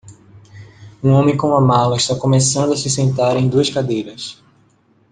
Um homem com uma mala está começando a se sentar em duas cadeiras.